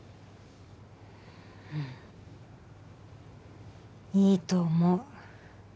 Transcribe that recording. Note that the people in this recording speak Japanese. うんいいと思う。